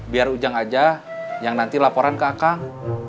biar ujang aja yang nanti laporan ke akang